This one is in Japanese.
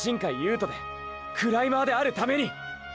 人でクライマーであるために！！